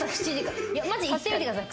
マジで行ってみてください。